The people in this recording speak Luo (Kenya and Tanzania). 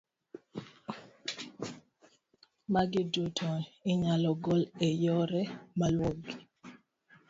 Magi duto inyalo gol e yore maluwogi: